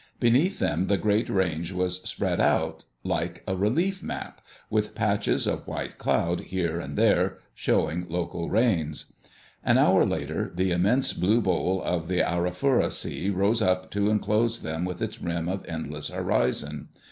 Beneath them the great range was spread out like a relief map, with patches of white cloud here and there showing local rains. An hour later the immense blue bowl of the Arafura Sea rose up to enclose them with its rim of endless horizon.